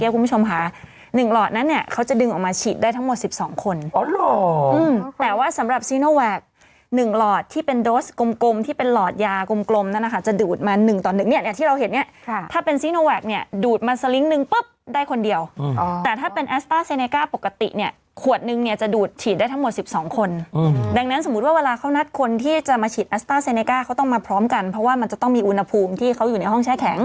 กลมนะค่ะจะดูดมาหนึ่งต่อหนึ่งเนี่ยที่เราเห็นเนี่ยถ้าเป็นซีโนแวคเนี่ยดูดมาสลิงก์หนึ่งปุ๊บได้คนเดียวแต่ถ้าเป็นแอสตาร์เซเนก้าปกติเนี่ยขวดหนึ่งเนี่ยจะดูดฉีดได้ทั้งหมดสิบสองคนอืมดังนั้นสมมุติว่าเวลาเขานัดคนที่จะมาฉีดแอสตาร์เซเนก้าเขาต้องมาพร้อมกันเพราะว่ามันจะต้องมีอุณห